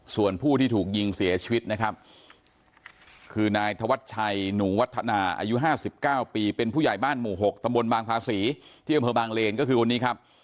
ส่วนผู้ที่ถูกยิงเสียชีวิตนะครับคือนายธวัชชัยหนูวัฒนาอายุ๕๙ปีเป็นผู้ใหญ่บ้านหมู่๖ตำบลบางภาษีที่อำเภอบางเลนก็คือคนนี้ครับ